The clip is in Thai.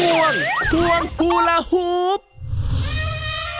เฮ่น้องช้างแต่ละเชือกเนี่ย